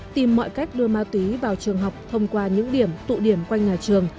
tìm mọi cách đưa ma túy vào trường học thông qua những điểm tụ điểm quanh nhà trường